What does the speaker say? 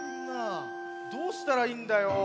どうしたらいいんだよ。